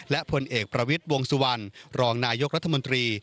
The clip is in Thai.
และผลเอกประวิทย์วงสุวรรณรองนายกรัฐมนตรี